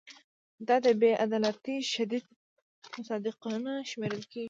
دا د بې عدالتۍ شدید مصداقونه شمېرل کیږي.